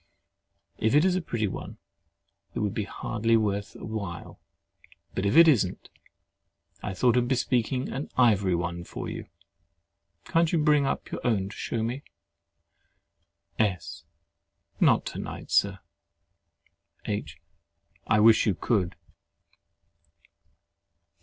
If it is a pretty one, it would hardly be worth while; but if it isn't, I thought of bespeaking an ivory one for you. Can't you bring up your own to shew me? S. Not to night, Sir. H. I wish you could.